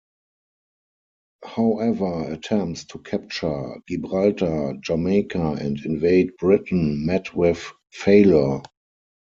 However attempts to capture Gibraltar, Jamaica and invade Britain met with failure.